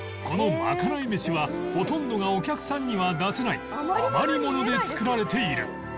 このまかない飯はほとんどがお客さんには出せない余りもので作られている